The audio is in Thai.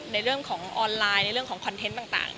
ในเรื่องของออนไลน์ในเรื่องของคอนเทนต์ต่าง